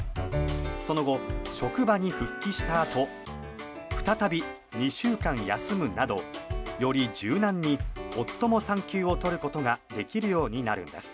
その後、職場に復帰したあと再び２週間休むなどより柔軟に夫も産休を取ることができるようになるんです。